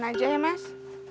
bukan saja ya mas